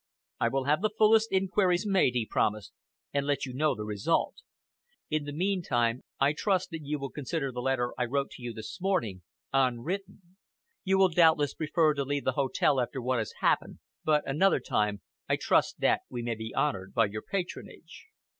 "I will have the fullest inquiries made," he promised, "and let you know the result. In the meantime, I trust that you will consider the letter I wrote you this morning unwritten. You will doubtless prefer to leave the hotel after what has happened, but another time, I trust that we may be honored by your patronage."